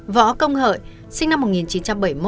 võ công hợi sinh năm một nghìn chín trăm bảy mươi một